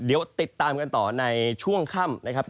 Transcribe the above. เดี๋ยวติดตามกันต่อในช่วงค่ำนะครับ